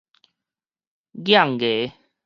齴牙